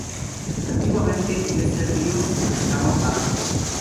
Antiguamente, en este río se pescaban barbos.